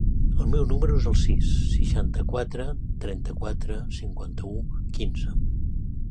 El meu número es el sis, seixanta-quatre, trenta-quatre, cinquanta-u, quinze.